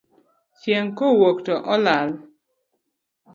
Chieng' kowuok to olal.